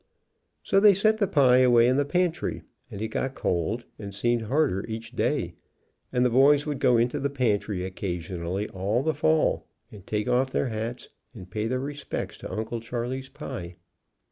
So they set the pie away in the pantry, ^nd it got cold and seemed harder each day, and the boys would go into the pantry occasionally, THE CHAPLAIN AND THE BULL 145 all the fall, and take off their hats and pay their re spects to Uncle Charley's pie.